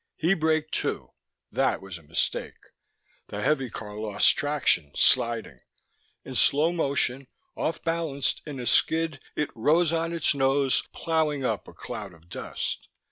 He braked too; that was a mistake. The heavy car lost traction, sliding. In slow motion, off balanced in a skid, it rose on its nose, ploughing up a cloud of dust.